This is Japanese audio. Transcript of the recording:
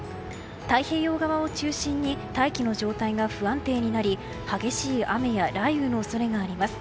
太平洋側を中心に大気の状態が不安定になり激しい雨や雷雨の恐れがあります。